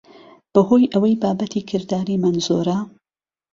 بههۆی ئهوهی بابهتی کرداریمان زۆره